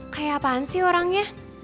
kayak apaan sih orangnya